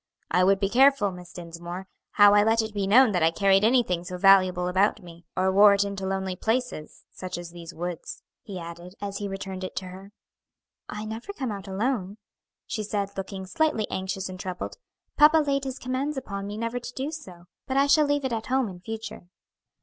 "I would be careful, Miss Dinsmore, how I let it be known that I carried anything so valuable about me, or wore it into lonely places, such as these woods," he added, as he returned it to her. "I never come out alone," she said, looking slightly anxious and troubled; "papa laid his commands upon me never to do so; but I shall leave it at home in future."